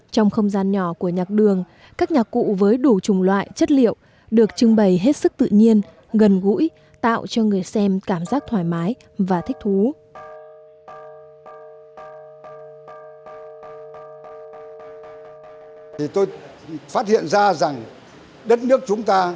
trong không gian nhỏ của nhạc đường các nhạc cụ với đủ chủng loại chất liệu được trưng bày hết sức tự nhiên gần gũi tạo cho người xem cảm giác thoải mái và thích thú